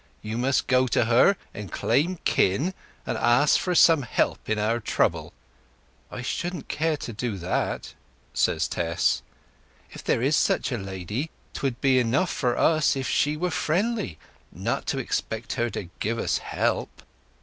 You must go to her and claim kin, and ask for some help in our trouble." "I shouldn't care to do that," says Tess. "If there is such a lady, 'twould be enough for us if she were friendly—not to expect her to give us help."